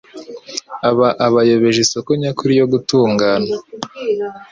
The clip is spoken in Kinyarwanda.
aba abayobeje isoko nyakuri yo gutungana;